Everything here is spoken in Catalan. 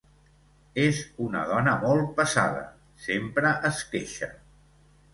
És una dona molt pesada: sempre es queixa.